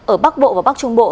ở bắc bộ và bắc trung bộ